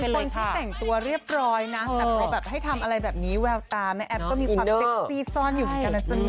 คนที่แต่งตัวเรียบร้อยนะแต่พอแบบให้ทำอะไรแบบนี้แววตาแม่แอฟก็มีความเซ็กซี่ซ่อนอยู่เหมือนกันนะจ๊ะ